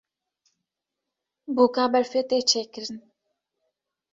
Bûka berfê tê çêkirin.